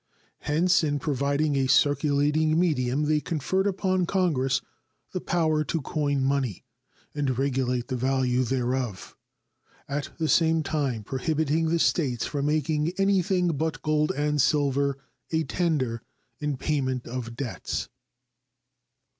Hence in providing a circulating medium they conferred upon Congress the power to coin money and regulate the value thereof, at the same time prohibiting the States from making anything but gold and silver a tender in payment of debts.